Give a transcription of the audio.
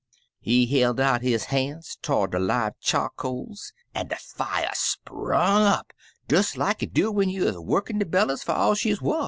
* He belt out his han*s to*rds de live charcoals, an* de fier sprung up des like it do when you er workin* de bellus for all she*s wuff.